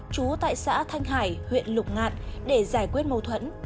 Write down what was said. trú tại xã thanh hải huyện lục ngạn để giải quyết mâu thuẫn